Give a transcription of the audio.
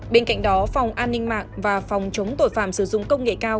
bên cạnh đó phòng an ninh mạng và phòng chống tội phạm sử dụng công nghệ cao